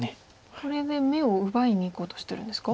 これで眼を奪いにいこうとしてるんですか？